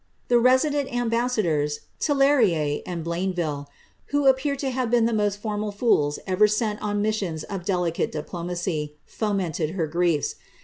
35 The resident ambassadors, Tillieres and Blainville, who appear to have been the most formal fools ever sent on missions of delicate diplomacy, fomented her griefs.